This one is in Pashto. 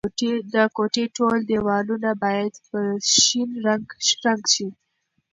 د کوټې ټول دیوالونه باید په شین رنګ رنګ شي.